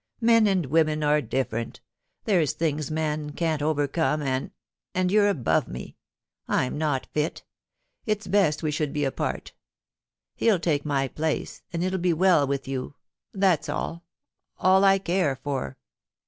*Men and women are different There's things men can't overcome — ^and — and — you're above me. I'm not fit; it's best we should be apart Hell take my place — and it'll be well with you — thafs all — ^all I care for.'